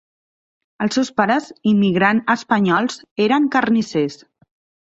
Els seus pares, immigrant espanyols, eren carnissers.